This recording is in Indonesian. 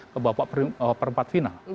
kebawah perempat final